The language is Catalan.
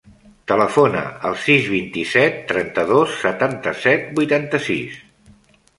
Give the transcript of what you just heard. Telefona al sis, vint-i-set, trenta-dos, setanta-set, vuitanta-sis.